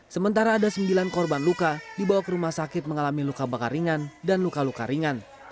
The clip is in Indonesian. sementara ada sembilan korban luka dibawa ke rumah sakit mengalami luka bakar ringan dan luka luka ringan